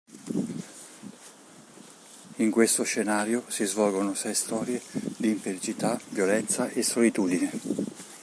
In questo scenario si svolgono sei storie di infelicità, violenza e solitudine.